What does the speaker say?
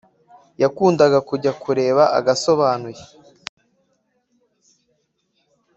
Yakundaga kujya kureba agasobanuye